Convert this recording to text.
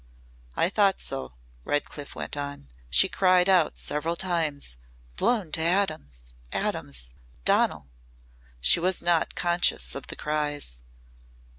"I thought so," Redcliff went on. "She cried out several times, 'Blown to atoms atoms! Donal!' She was not conscious of the cries."